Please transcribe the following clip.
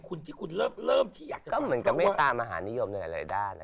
ก็เหมือนกับไม่ตามอาหารนิยมในหลายด้าน